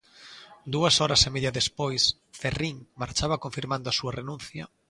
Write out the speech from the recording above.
Dúas horas e media despois, Ferrín marchaba confirmando a súa renuncia.